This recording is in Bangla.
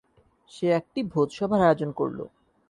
সে একটি ভোজ সভার আয়োজন করল।